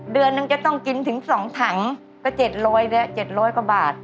เดือนนั้นจะต้องกินถึงสองถังก็เจ็ดร้อยแล้วเจ็ดร้อยกว่าบาท